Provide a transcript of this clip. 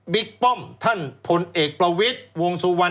ป้อมท่านพลเอกประวิทย์วงสุวรรณ